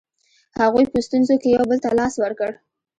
هغوی په ستونزو کې یو بل ته لاس ورکړ.